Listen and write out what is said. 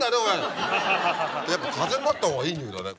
やっぱ風になった方がいい匂いだね。